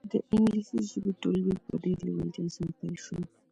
د انګلیسي ژبې ټولګي په ډېرې لېوالتیا سره پیل شول.